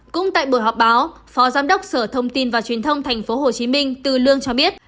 cũng tại buổi họp báo phó giám đốc sở thông tin và truyền thông tp hcm từ lương cho biết